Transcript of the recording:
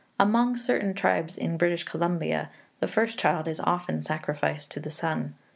Among certain tribes in British Columbia the first child is often sacrificed to the sun.